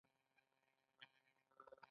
امام شافعي فقهي مذهبونو کې وو